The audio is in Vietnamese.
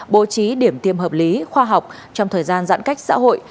bố trí điểm tiêm hợp lý khoa học trong thời gian giãn cách xã hội